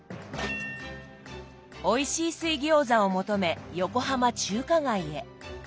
おいしい水餃子を求め横浜中華街へ。